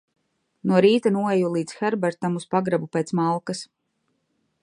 No rīta noeju līdz Herbertam uz pagrabu pēc malkas.